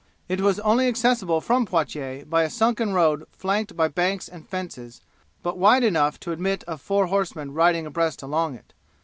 It was only accessible from Poitiers by a sunken road flanked by banks and fences, and but wide enough to admit of four horsemen riding abreast along it.